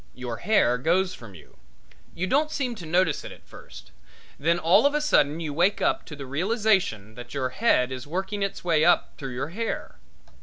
Your hair goes from you. You don't seem to notice it at first; then all of a sudden you wake up to the realization that your head is working its way up through the hair.